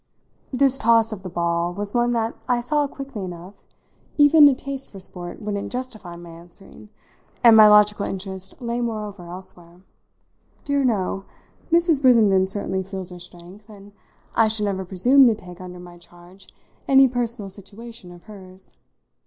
This toss of the ball was one that, I saw quickly enough, even a taste for sport wouldn't justify my answering, and my logical interest lay moreover elsewhere. "Dear no! Mrs. Brissenden certainly feels her strength, and I should never presume to take under my charge any personal situation of hers.